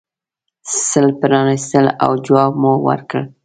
سل پرانیستل او جواب مو ورکړ.